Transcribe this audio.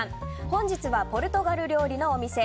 本日はポルトガル料理のお店